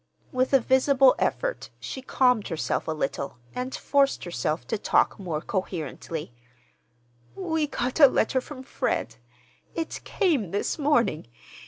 With a visible effort she calmed herself a little and forced herself to talk more coherently. "We got a letter from Fred. It came this morning.